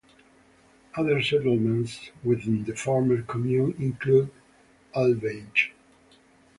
Other settlements within the former commune include Elvange.